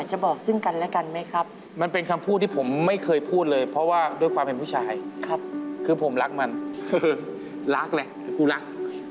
ครับคือผมรักมันคือรักแหละแต่กูรัก